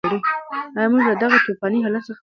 ایا موږ له دغه توپاني حالت څخه په خیر تېر شوو؟